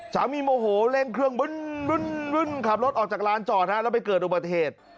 โมโหเร่งเครื่องบึ้นขับรถออกจากร้านจอดฮะแล้วไปเกิดอุบัติเหตุ